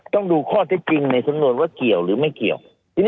ต้องดูข้อเท็จจริงในสำนวนว่าเกี่ยวหรือไม่เกี่ยว